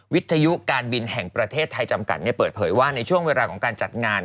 วิทยุการบินแห่งประเทศไทยจำกัดเปิดเผยว่าในช่วงเวลาของการจัดงาน